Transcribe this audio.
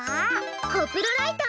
コプロライト！